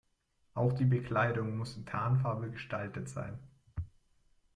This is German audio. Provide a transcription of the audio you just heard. Auch die Bekleidung muss in Tarnfarbe gestaltet sein.